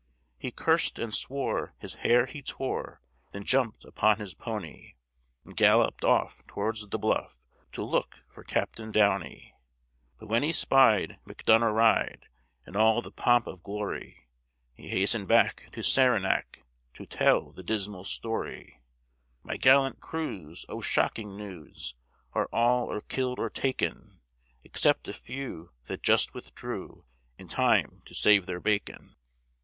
He cursed and swore, his hair he tore, Then jump'd upon his pony, And gallop'd off towards the bluff, To look for Captain Downie. But when he spied McDonough ride, In all the pomp of glory, He hasten'd back to Saranac, To tell the dismal story: "My gallant crews Oh! shocking news Are all or killed or taken! Except a few that just withdrew In time to save their bacon.